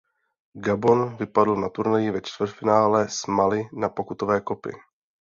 Gabon vypadl na turnaji ve čtvrtfinále s Mali na pokutové kopy.